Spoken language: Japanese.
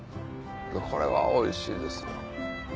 これはおいしいですよ。